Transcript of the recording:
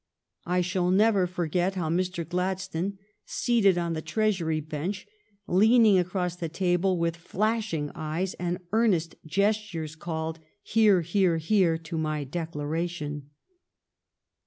I shall never forget how Mr. Glad stone, seated on the Treasury bench, leaning across the table, with flashing eyes and earnest gestures, called "Hear! Hear! Hear!" to my declaration.